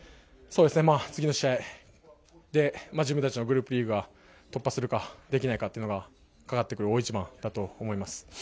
次の試合で自分たちのグループリーグ突破するかできないかがかかってくる大一番だと思います。